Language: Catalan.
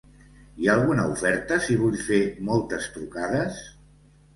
Hi ha alguna oferta si vull fer moltes trucades?